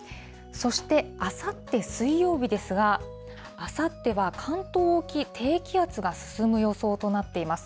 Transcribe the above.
そしてあさって水曜日ですが、あさっては関東沖、低気圧が進む予想となっています。